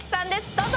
どうぞ。